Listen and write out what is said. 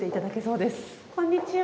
こんにちは。